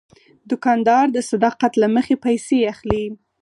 دوکاندار د صداقت له مخې پیسې اخلي.